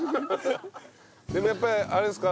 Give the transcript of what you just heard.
でもやっぱりあれですか？